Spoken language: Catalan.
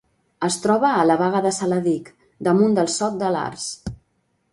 Es troba a la Baga de Saladic, damunt del Sot de l'Arç.